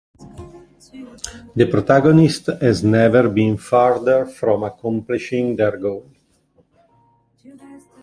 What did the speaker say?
The protagonist has never been further from accomplishing their goal.